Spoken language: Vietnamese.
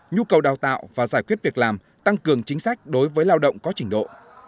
nhu cầu đào tạo và giải quyết việc làm tăng cường chính sách đối với lao động có trình độ